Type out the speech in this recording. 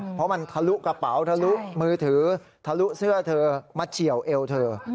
เพราะมันทะลุกระเป๋าทะลุมือถือทะลุเสื้อเธอมาเฉียวเอวเธอ